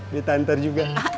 biar tahan ntar juga